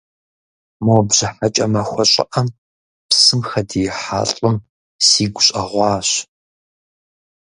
Мо бжьыхьэкӏэ махуэ щӏыӏэм псым хэдиихьа лӏым сигу щӏэгъуащ.